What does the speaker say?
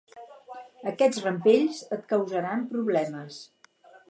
Aquests rampells et causaran problemes.